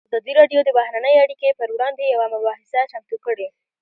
ازادي راډیو د بهرنۍ اړیکې پر وړاندې یوه مباحثه چمتو کړې.